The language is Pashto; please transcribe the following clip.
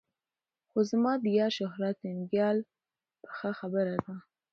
خو زما د یار شهرت ننګیال پخه خبره ده.